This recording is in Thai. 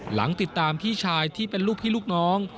หลังติดตามพี่ชายที่เป็นลูกพี่ลูกน้อง